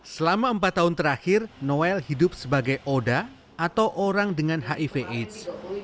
selama empat tahun terakhir noel hidup sebagai oda atau orang dengan hiv aids